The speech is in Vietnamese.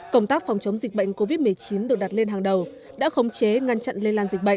công tác phòng chống dịch bệnh covid một mươi chín được đặt lên hàng đầu đã khống chế ngăn chặn lây lan dịch bệnh